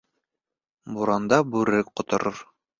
Буранда бүре ҡоторор